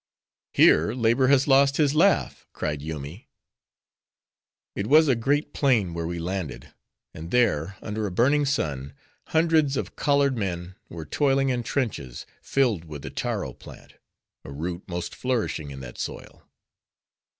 "Here labor has lost his laugh!" cried Yoomy. It was a great plain where we landed; and there, under a burning sun, hundreds of collared men were toiling in trenches, filled with the taro plant; a root most flourishing in that soil.